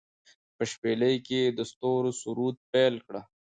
په شپیلۍ کې يې د ستورو سرود پیل کړ